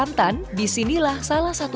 masih di pastors itu